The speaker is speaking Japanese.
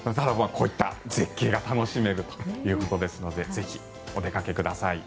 こういった絶景が楽しめるということですのでぜひお出かけください。